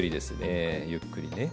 えゆっくりね。